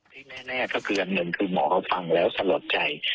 ที่แน่ก็คืออันหนึ่งคือหมอเขาฟังแล้วสลดใจ